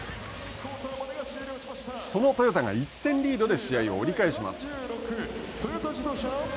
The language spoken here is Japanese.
そのトヨタが１点リードで試合を折り返します。